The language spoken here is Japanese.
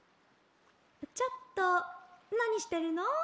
「ちょっとなにしてるの？